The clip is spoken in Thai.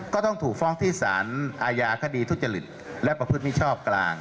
ก็ต้องถูกฟ้องที่สารอาญาคดีทุจริตและประพฤติมิชชอบกลาง